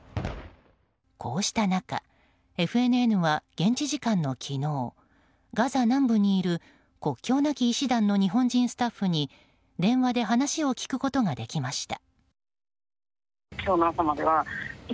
こうした中ＦＮＮは現地時間の昨日ガザ南部にいる国境なき医師団の日本人スタッフに電話で話を聞くことができました。